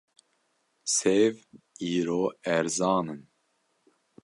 Sêv îro erzan in.